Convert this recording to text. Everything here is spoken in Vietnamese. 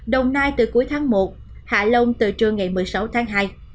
đồng nai từ cuối tháng một hạ long từ trưa ngày một mươi sáu tháng hai